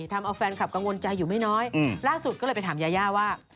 ทำเอาแฟนคลับกังวลใจอยู่ไม่น้อยล่าสุดก็เลยไปถามยายาว่า